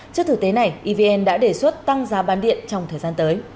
trước thực tế này evn đã đề xuất tăng giá bán điện trong thời gian tới